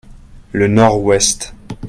Le nord-ouest.